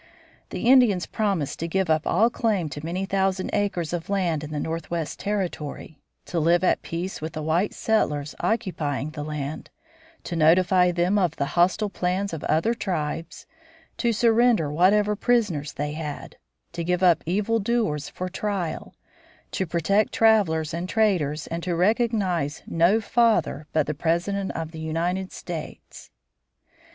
The Indians promised to give up all claim to many thousand acres of land in the Northwest Territory, to live at peace with the white settlers occupying the land, to notify them of the hostile plans of other tribes, to surrender whatever prisoners they had, to give up evil doers for trial, to protect travelers and traders, and to recognize no "father" but the President of the United States.